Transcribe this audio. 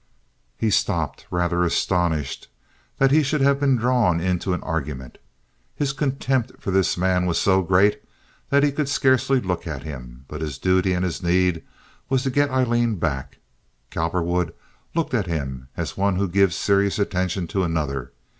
He stopped, rather astonished that he should have been drawn into an argument. His contempt for this man was so great that he could scarcely look at him, but his duty and his need was to get Aileen back. Cowperwood looked at him as one who gives serious attention to another.